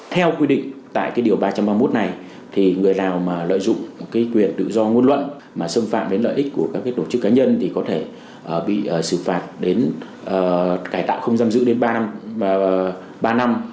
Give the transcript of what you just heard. theo quy định tại điều ba trăm ba mươi một này người nào lợi dụng quyền tự do ngôn luận mà xâm phạm đến lợi ích của các tổ chức cá nhân thì có thể bị xử phạt đến cải tạo không giam giữ đến ba năm